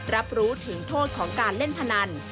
รับรู้ถึงโทษของการเล่นพนัน